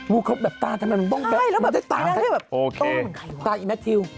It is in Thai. พูดครบแบบตาทำไมมันป้องแป๊บมันจะตาแบบตาไอ้แมททิว